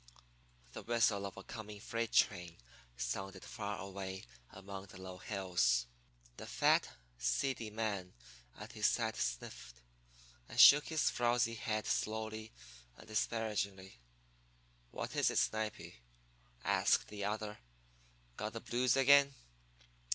The whistle of a coming freight train sounded far away among the low hills. The fat, seedy man at his side sniffed, and shook his frowzy head slowly and disparagingly. "What is it, Snipy?" asked the other. "Got the blues again?"